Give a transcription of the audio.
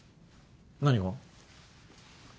何が？